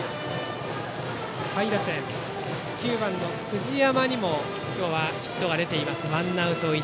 下位打線、９番の藤山にも今日はヒットが出ています。